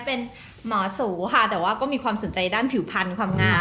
เป็นหมอสูค่ะแต่ว่าก็มีความสนใจด้านผิวพันธ์ความงาม